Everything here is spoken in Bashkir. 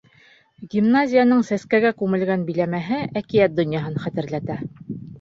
Гимназияның сәскәгә күмелгән биләмәһе әкиәт донъяһын хәтерләтә.